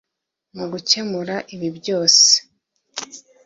Mu gukemura ibi byose